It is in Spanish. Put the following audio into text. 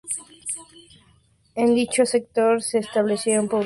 En dicho sector, se establecieron pobladores que dieron vida al sector.